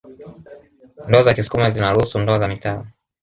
Ndoa za kisukuma zinaruhusu ndoa za mitaala